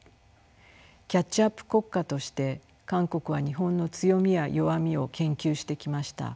キャッチアップ国家として韓国は日本の強みや弱みを研究してきました。